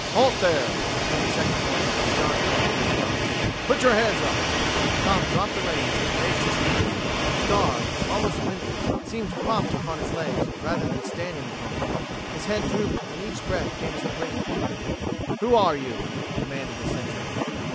"Halt there!" came the second warning as Star came to a stop. "Put your hands up!" Tom dropped the reins and raised his hands. Star, almost winded, seemed propped upon his legs, rather than standing upon them. His head drooped and each breath came as a great heave. "Who are you?" demanded the Sentry.